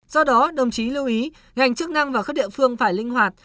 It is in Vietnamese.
do đó đồng chí lưu ý ngành chức năng và các địa phương phải linh hoạt